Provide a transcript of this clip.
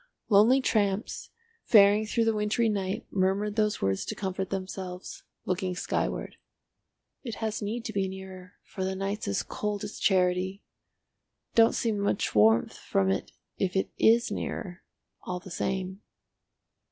Lonely tramps faring through the wintry night murmured those words to comfort themselves—looking skyward. "It has need to be nearer, for the night's as cold as charity. Don't seem much warmth from it if it is nearer, all the same."